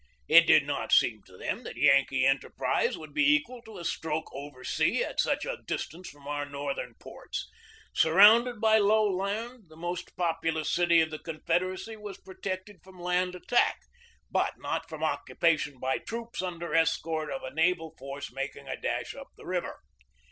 It did not seem to them that Yankee enter prise would be equal to a stroke over sea at such a distance from our Northern ports. Surrounded by low land, the most populous city of the Confederacy was protected from land attack; but not from occu pation by troops under escort of a naval force mak ing a dash up the river.